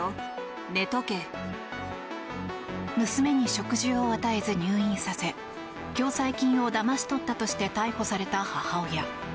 娘に食事を与えず入院させ共済金をだまし取ったとして逮捕された母親。